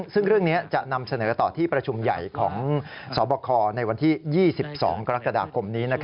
ซึ่งเรื่องนี้จะนำเสนอต่อที่ประชุมใหญ่ของสบคในวันที่๒๒กรกฎาคมนี้